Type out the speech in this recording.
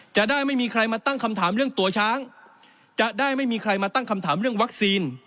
จะได้ไม่มีใครมาตั้งคำถามเรื่องตัวช้างจะได้ไม่มีใครมาตั้งคำถามเรื่องวัคซีน